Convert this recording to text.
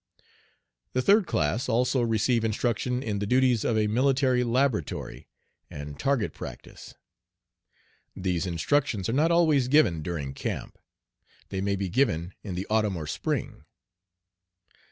The third class also receive instruction in the duties of a military laboratory, and "target practice." These instructions are not always given during camp. They may be given in the autumn or spring.